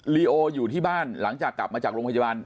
ลีโออยู่ที่บ้านหลังจากกลับมาจากโรงพยาบาล